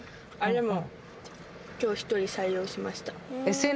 でも。